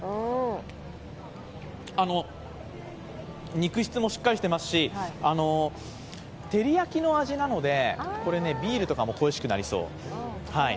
肉質もしっかりしていますし、照り焼きの味なのでビールとかも恋しくなりそう。